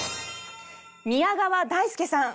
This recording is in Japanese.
宮川大輔さん。